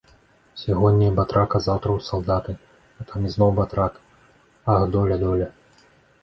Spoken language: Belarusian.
Сягоння я батрак, а заўтра ў салдаты, а там ізноў батрак, ах, доля, доля.